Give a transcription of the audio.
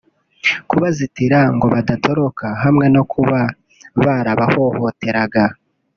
kubazitira ngo badatoroka hamwe no kuba barabahohoteraga